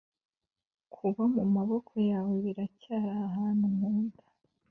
kuba mumaboko yawe biracyari ahantu nkunda.